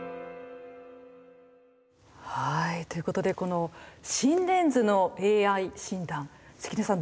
はいということでこの心電図のＡＩ診断関根さん